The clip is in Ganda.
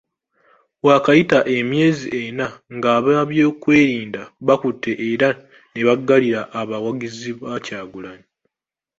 Waakayita emyezi ena ng'abeebyokwerinda bakutte era ne baggalira abawagizi ba Kyagulanyi.